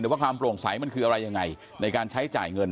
ว่าความโปร่งใสมันคืออะไรยังไงในการใช้จ่ายเงิน